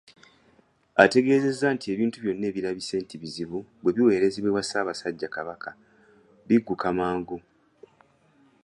Ategeezezza nti ebintu byonna ebirabise nti bizibu bwe biweerezebwa ewa Ssaabasajja Kabaka bigguka mangu